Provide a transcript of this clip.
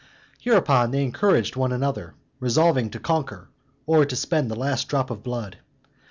Hereupon they encouraged one another, resolving to conquer, or spend the last drop of blood.